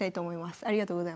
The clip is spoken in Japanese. ありがとうございます。